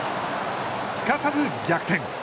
透かさず逆転。